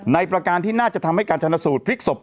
ประการที่น่าจะทำให้การชนสูตรพลิกศพ